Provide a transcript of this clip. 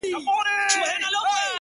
o اوس كرۍ ورځ زه شاعري كومه ـ